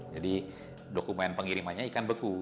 jadi dokumen pengirimannya ikan beku